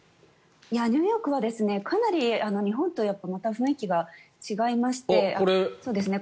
ニューヨークは日本とかなり雰囲気が違いまして。